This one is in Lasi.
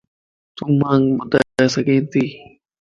تون مانک ٻڌائي سڳي تو